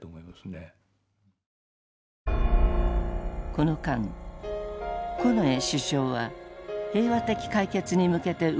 この間近衛首相は平和的解決に向けて動いていた。